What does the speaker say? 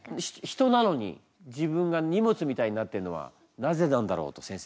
人なのに自分が荷物みたいになってるのはなぜなんだろうと先生。